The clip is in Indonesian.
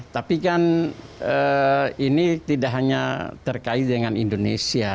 tapi kan ini tidak hanya terkait dengan indonesia